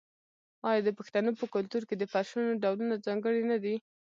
آیا د پښتنو په کلتور کې د فرشونو ډولونه ځانګړي نه دي؟